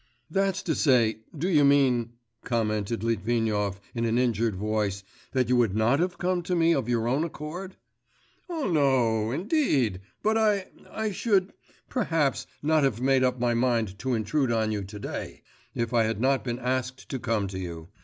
'That's to say, do you mean,' commented Litvinov in an injured voice, 'that you would not have come to me of your own accord?' 'Oh, no, ... indeed! But I ... I should, perhaps, not have made up my mind to intrude on you to day, if I had not been asked to come to you.